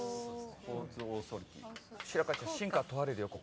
白河ちゃん真価が問われるよ。